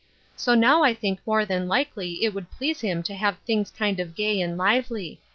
So now I think more than likely it would please him to have things kind of gay and lively.